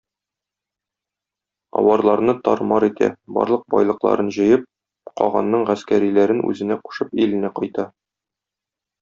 Аварларны тар-мар итә, барлык байлыкларын җыеп, каганның гаскәриләрен үзенә кушып, иленә кайта.